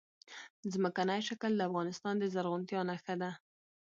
ځمکنی شکل د افغانستان د زرغونتیا نښه ده.